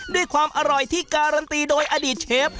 ด้วยความอร่อยที่การันตีโดยอดีตเชฟ